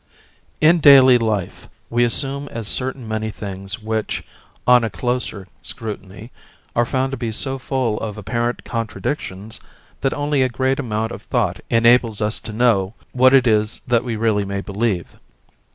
In daily life, we assume as certain many things which, on a closer scrutiny, are found to be so full of apparent contradictions that only a great amount of thought enables us to know what it is that we really may believe.